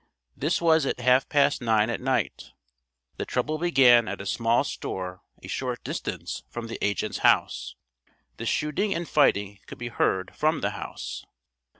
This was at half past nine at night. The trouble began at a small store a short distance from the agent's house. The shooting and fighting could be heard from the house.